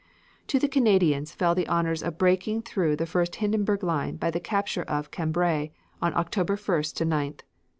To the Canadians fell the honors of breaking through the first Hindenburg line by the capture of Cambrai, on October 1st to 9th.